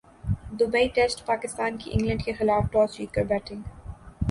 Dubai ٹیسٹپاکستان کی England کیخلاف toss جیت کر بیٹنگ